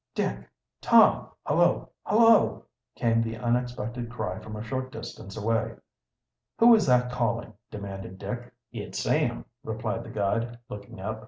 "Dick! Tom! Hullo! hullo!" came the unexpected cry from a short distance away. "Who is that calling?" demanded Dick. "It's Sam," replied the guide, looking up.